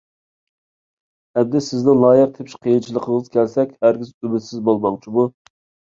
ئەمدى سىزنىڭ لايىق تېپىش قىيىنچىلىقىڭىزغا كەلسەك، ھەرگىز ئۈمىدسىز بولماڭ جۇمۇ!